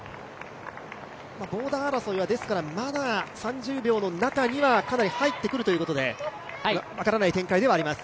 ボーダー争いはまだ３０秒の中にはかなり入ってくるということで分からない展開ではあります。